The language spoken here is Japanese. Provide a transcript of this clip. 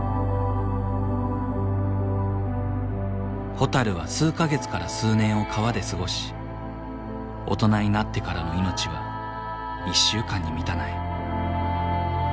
ホタルは数か月から数年を川で過ごし大人になってからの命は１週間に満たない。